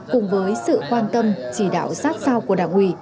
cùng với sự quan tâm chỉ đạo sát sao của đảng ủy